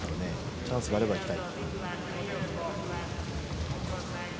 チャンスがあれば行きたい。